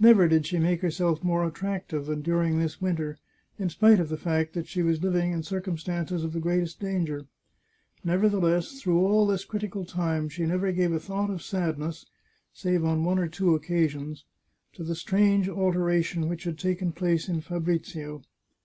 Never did she make herself more attractive than during this winter, in spite of the fact that she was living in circum stances of the greatest danger. Nevertheless, through all this critical time she never gave a thought of sadness, save on one or two occasions, to the strange alteration which had taken place in Fabrizio.